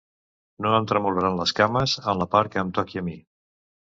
No em tremolaran les cames, en la part que em toqui a mi.